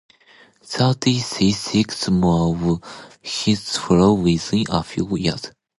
Trinity shed six more of its Fellows within a few years.